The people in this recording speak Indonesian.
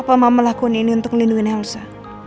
apa mama lakuin ini untuk melindungi elsa